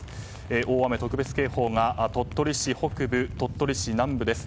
大雨特別警報が鳥取市北部、鳥取市南部です。